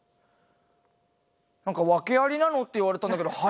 何か「訳ありなの？」って言われたんだけど。